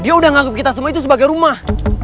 dia sudah nganggep kita semua itu sebagai rumah